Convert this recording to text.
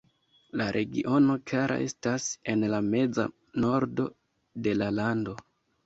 La regiono Kara estas en la meza nordo de la lando.